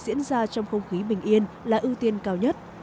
diễn ra trong không khí bình yên là ưu tiên cao nhất